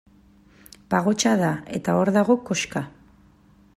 Pagotxa da, eta hor dago koxka.